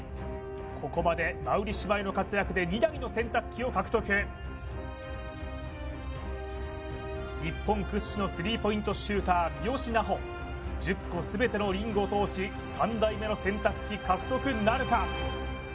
ここまで馬瓜姉妹の活躍で２台の洗濯機を獲得日本屈指の３ポイントシューター三好南穂１０個全てのリングを通し３台目の洗濯機獲得なるか